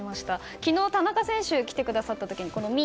昨日、田中選手が来てくださった時に「未」。